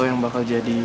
lo yang bakal jadi